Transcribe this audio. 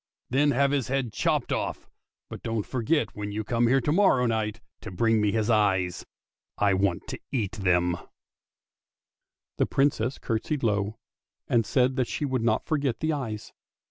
Then have his head chopped off. but don't forget when you come here to morrow night to bring me his eyes. I want to eat them." 378 ANDERSEN'S FAIRY TALES The Princess curtsied low, and said that she would not forget the eyes.